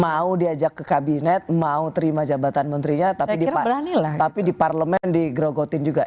mau diajak ke kabinet mau terima jabatan menterinya tapi di parlemen digrogotin juga